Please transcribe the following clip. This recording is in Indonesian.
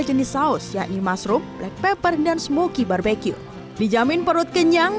jenis saus yakni mushroom black pepper dan smoky barbecue dijamin perut kenyang